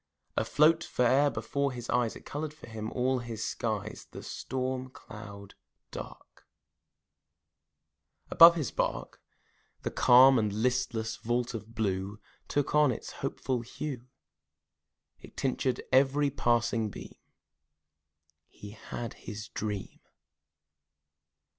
Afloat fore'er before his eyes, It colored for him all his skies: The storm cloud dark Above his bark, The calm and listless vault of blue Took on its hopeful hue, It tinctured every passing beam He had his dream.